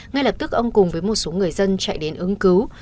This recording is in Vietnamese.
ngay lập tức ông cùng với một số người dân chạy đến ứng cứu